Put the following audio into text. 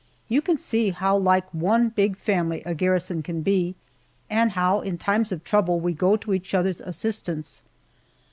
You can see how like one big family a garrison can be, and how in times of trouble we go to each other's assistance.